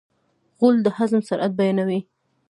غول د هضم سرعت بیانوي.